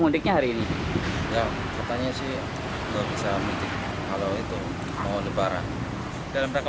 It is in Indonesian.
menghindari penyekatan juga